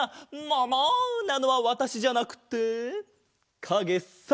もも！なのはわたしじゃなくてかげさ！